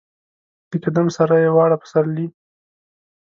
د قدم سره یې واړه پسرلي